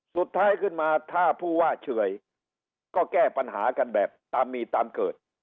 สุดท้ายขึ้นมาถ้าผู้ว่าเฉื่อยก็แก้ปัญหากันแบบตามมีตามเกิด